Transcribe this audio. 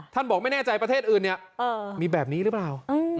บอกไม่แน่ใจประเทศอื่นเนี่ยมีแบบนี้หรือเปล่า